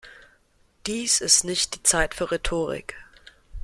Dies ist nicht die Zeit für Rhetorik.